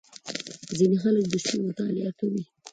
• ځینې خلک د شپې مطالعه کوي.